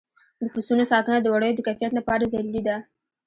د پسونو ساتنه د وړیو د کیفیت لپاره ضروري ده.